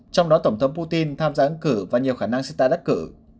trong đó tổng thống putin tham gia ứng cử và nhiều khả năng sẽ tại đắc cử